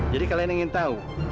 jadi kalian ingin tahu